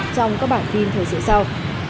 trong các bản tin thời diễn sau